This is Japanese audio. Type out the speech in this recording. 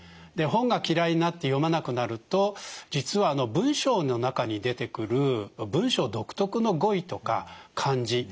本が嫌いになって読まなくなると実は文章の中に出てくる文章独特の語彙とか漢字